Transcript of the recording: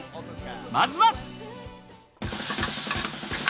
まずは。